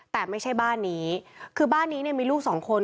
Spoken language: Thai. แต่ไม่ใช่บ้านนี้คือบ้านนี้เนี่ยมีลูกสองคน